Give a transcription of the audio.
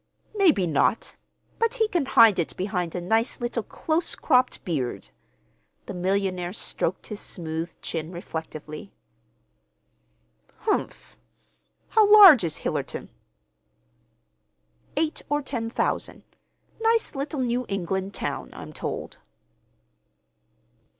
"Maybe not. But he can hide it behind a nice little close cropped beard." The millionaire stroked his smooth chin reflectively. "Humph! How large is Hillerton?" "Eight or ten thousand. Nice little New England town, I'm told."